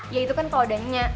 ya itu kan kalau adanya